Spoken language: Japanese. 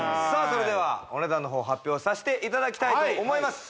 それではお値段の方発表させていただきたいと思います